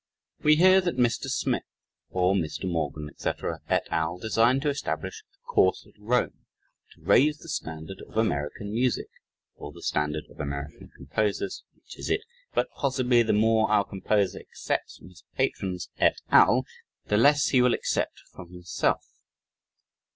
We hear that Mr. Smith or Mr. Morgan, etc., et al. design to establish a "course at Rome," to raise the standard of American music, (or the standard of American composers which is it?) but possibly the more our composer accepts from his patrons "et al." the less he will accept from himself.